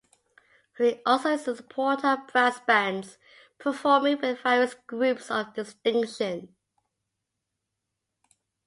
He also is a supporter of brass bands, performing with various groups of distinction.